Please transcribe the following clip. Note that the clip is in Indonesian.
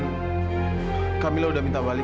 fadil juga jemput kamila dan sebenarnya waktu di jalan